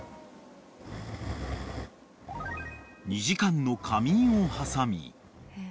［２時間の仮眠を挟み］